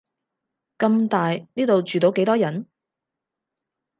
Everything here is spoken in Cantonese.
咁大，呢度住到幾多人